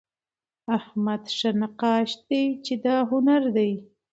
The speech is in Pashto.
احمد ښه نقاش دئ، چي دا هنر دئ.